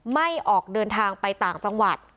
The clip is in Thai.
ไม่ออกเดินทางไปต่างจังหวัด